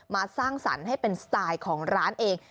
สร้างสรรค์ให้เป็นสไตล์ของร้านเอง